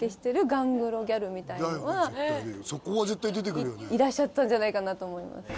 ガングロギャルみたいなのはいらっしゃったんじゃないかなと思います